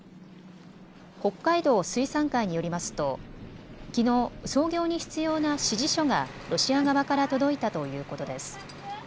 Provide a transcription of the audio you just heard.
北海道水産会によりますときのう操業に必要な指示書がロシア側から届いたということです。